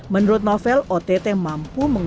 menurut novel ott mampu